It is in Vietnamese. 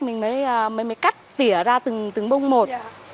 mình mới cắt tỉa ra từng bông một